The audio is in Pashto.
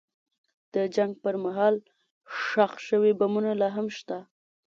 د جنګ پر مهال ښخ شوي بمونه لا هم شته.